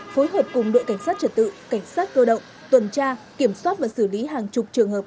phối hợp cùng đội cảnh sát trật tự cảnh sát cơ động tuần tra kiểm soát và xử lý hàng chục trường hợp